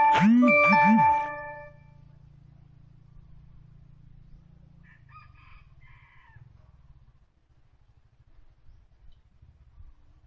สวัสดีครับ